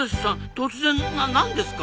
突然なんですか？